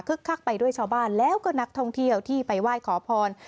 คักไปด้วยชาวบ้านแล้วก็นักท่องเที่ยวที่ไปไหว้ขอพร